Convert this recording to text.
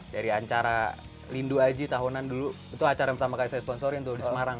dari acara lindu aja tahunan dulu itu acara yang pertama kali saya sponsorin tuh di semarang